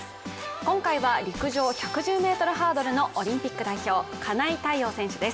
今回は陸上１１０ｍハードルのオリンピック代表金井大旺選手です。